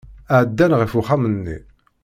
Ɛeddan ɣef uxxam-nni.